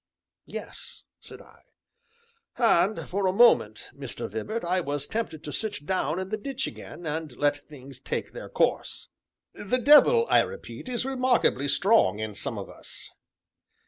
"Yes," said I. "And for a moment, Mr. Vibart, I was tempted to sit down in the ditch again, and let things take their course. The devil, I repeat, is remarkably strong in some of us."